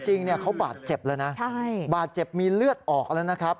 จริงเขาบาดเจ็บแล้วนะบาดเจ็บมีเลือดออกแล้วนะครับ